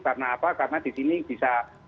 karena apa karena di sini bisa